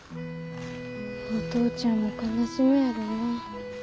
お父ちゃんも悲しむやろなあ。